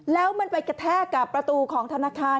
แล้วมันไปกระแทกกับประตูของธนาคาร